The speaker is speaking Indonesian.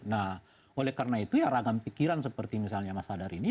nah oleh karena itu ya ragam pikiran seperti misalnya mas hadar ini